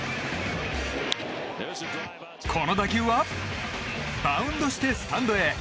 この打球はバウンドしてスタンドへ。